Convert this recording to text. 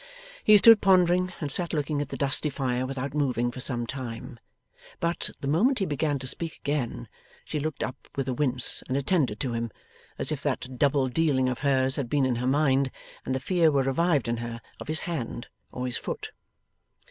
He stood pondering, and she sat looking at the dusty fire without moving, for some time. But, the moment he began to speak again she looked up with a wince and attended to him, as if that double dealing of hers had been in her mind, and the fear were revived in her of his hand or his foot.